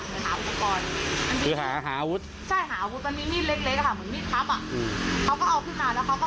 เขาก็เอาขึ้นมาแล้วเขาก็พยายามต้นแทงที่พวกนี้เขาก็หลบค่ะ